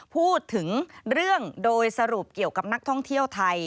พูดถึงเรื่องโดยสรุปเกี่ยวกับนักท่องเที่ยวไทย